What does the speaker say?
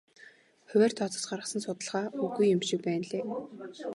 Хувиар тооцож гаргасан судалгаа үгүй юм шиг байна лээ.